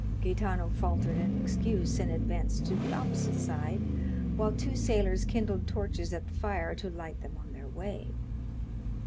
Gaetano faltered an excuse, and advanced to the opposite side, while two sailors kindled torches at the fire to light them on their way.